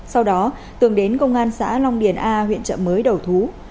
sau đó tường đến công an xã long điền a huyện trợ mới đầu thú